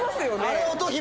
あれ音姫。